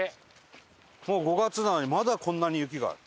もう５月なのにまだこんなに雪がある。